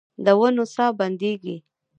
د ونو ساه بندیږې